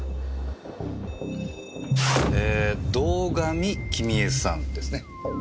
えー堂上公江さんですね？